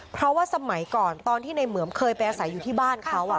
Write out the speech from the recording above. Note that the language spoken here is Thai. เพราะว่าสมัยก่อนตอนที่ในเหมือมเคยไปอาศัยอยู่ที่บ้านเขา